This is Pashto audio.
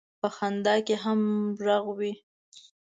په خندا کې هم غږ وي.